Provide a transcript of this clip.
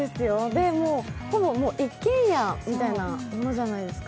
で、一軒家みたいなものじゃないですか。